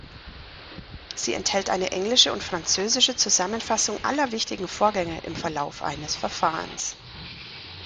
Sie enthält eine englische und französische Zusammenfassung aller wichtigen Vorgänge im Verlauf eines Verfahrens.